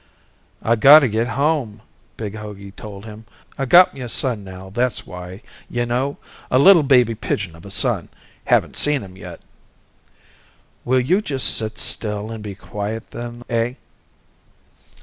"I gotta get home," Big Hogey told him. "I got me a son now, that's why. You know? A little baby pigeon of a son. Haven't seen him yet." "Will you just sit still and be quiet then, eh?"